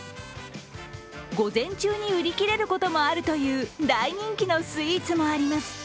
午前中に売り切れることもあるという大人気のスイーツもあります。